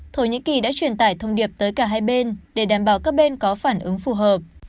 thổ nhĩ kỳ đã truyền tải thông điệp tới cả hai bên để đảm bảo các bên có phản ứng phù hợp